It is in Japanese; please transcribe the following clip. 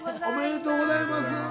おめでとうございます。